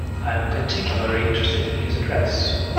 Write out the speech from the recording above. I am particularly interested in his address.